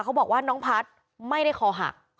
เขาบอกว่าน้องพัฒน์ไม่ได้คอหัก